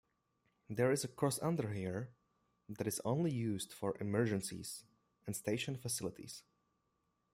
There is a crossunder here that is only used for emergencies and station facilities.